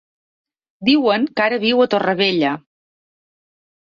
Diuen que ara viu a Torrevella.